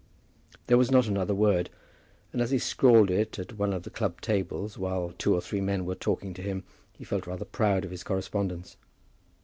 There was not another word; and as he scrawled it at one of the club tables while two or three men were talking to him, he felt rather proud of his correspondence.